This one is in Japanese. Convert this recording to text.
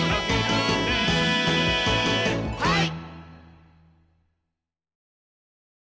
はい！